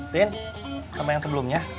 tin kamu yang sebelumnya